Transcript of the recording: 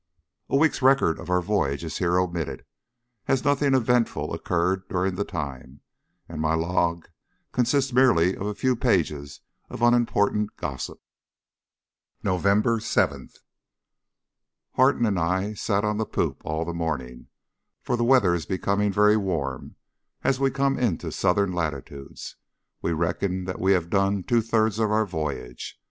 A week's record of our voyage is here omitted, as nothing eventful occurred during the time, and my log consists merely of a few pages of unimportant gossip. November 7. Harton and I sat on the poop all the morning, for the weather is becoming very warm as we come into southern latitudes. We reckon that we have done two thirds of our voyage.